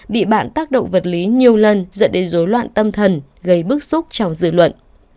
bị bạn tác động vật lý nhiều lần dẫn đến rối loạn tâm thần gây bức xúc trong dư luận